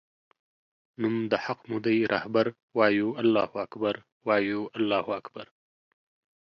نوم د حق مودی رهبر وایو الله اکبر وایو الله اکبر